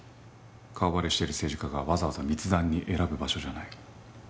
顔バレしてる政治家がわざわざ密談に選ぶ場所じゃない。